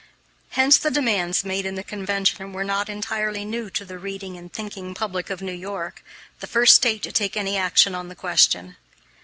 Hence the demands made in the convention were not entirely new to the reading and thinking public of New York the first State to take any action on the question.